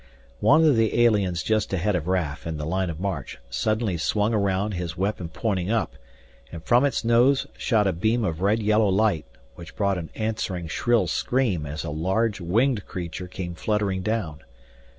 One of the aliens just ahead of Raf in the line of march suddenly swung around, his weapon pointing up, and from its nose shot a beam of red yellow light which brought an answering shrill scream as a large, winged creature came fluttering down.